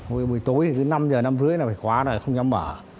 buổi tối thì cứ năm giờ năm rưỡi là phải khóa rồi không dám mở